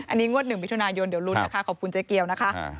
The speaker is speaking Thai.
อันนี้งวด๑มิถุนายนเดี๋ยวลุ้นนะคะขอบคุณเจ๊เกียวนะคะ